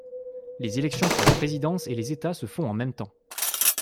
Les élections pour la Présidence et les États se font en même temps.